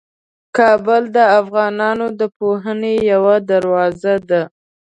کابل د افغانانو د پوهنې یوه دروازه ده.